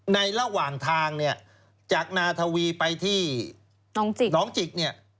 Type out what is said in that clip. ในระหว่างทางเนี่ยจากนาธวีไปที่หนองจิกเนี่ย